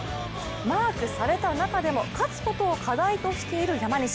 マークされた中でも勝つことを課題としている山西。